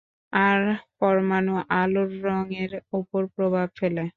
আর পরমাণু আলোর রঙের ওপর প্রভাব ফেলে।